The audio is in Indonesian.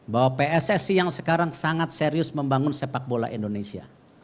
bahwa pssi yang sekarang sangat serius membangun sepak bola indonesia